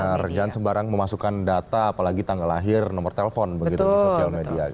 benar jangan sembarang memasukkan data apalagi tanggal lahir nomor telepon begitu di sosial media